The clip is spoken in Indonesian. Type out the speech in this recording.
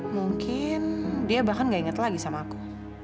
mungkin dia bahkan gak inget lagi sama aku